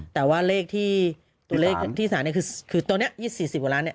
แต่ว่าเลขที่สารนี้คือตอนนี้๒๐๔๐กว่าล้าน